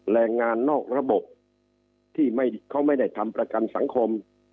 แรงงานนอกระบบที่เขาไม่ได้ทำประกันสังคม